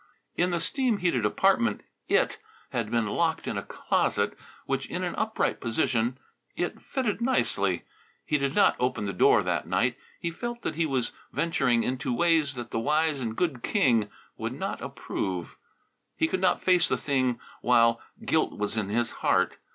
In the steam heated apartment It had been locked in a closet, which in an upright position It fitted nicely. He did not open the door that night. He felt that he was venturing into ways that the wise and good king would not approve. He could not face the thing while guilt was in his heart.